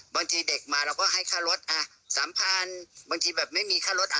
บางทีเด็กมาเราก็ให้ค่ารถอ่ะสามพันบางทีแบบไม่มีค่ารถอ่ะ